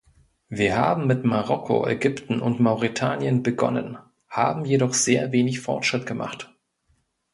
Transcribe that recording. Wir haben mit Marokko, Ägypten und Mauretanien begonnen, haben jedoch sehr wenig Fortschritt gemacht.